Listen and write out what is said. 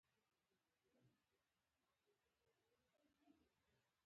تېر وختونه او ځواني د خوب لیدل دي، بېرته نه راځي.